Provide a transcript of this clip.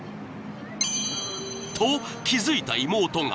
［と気付いた妹が］